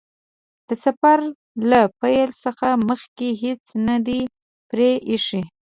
د سفر له پیل څخه مخکې هیڅ نه دي پرې ايښي.